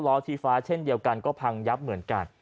ชีฟ้าเช่นเดียวกันก็พังยับเหมือนกัน